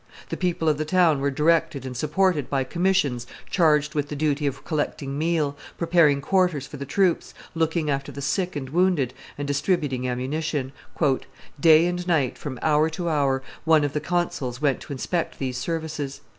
The people of the town were directed and supported by commissions charged with the duty of collecting meal, preparing quarters for the troops, looking after the sick and wounded, and distributing ammunition. "Day and night, from hour to hour, one of the consuls went to inspect these services.